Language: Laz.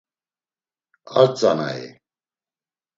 Ar tzanai?